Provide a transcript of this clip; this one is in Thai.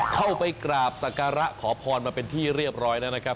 เข้าไปกราบสักการะขอพรมาเป็นที่เรียบร้อยแล้วนะครับ